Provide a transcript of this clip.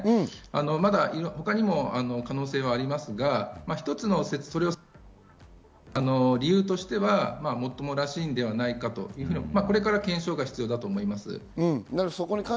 まだ他にも可能性はありますが、一つの理由としては最もらしいのではないかと、これから検証が必要だと思います。